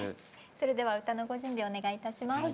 それでは歌のご準備お願いいたします。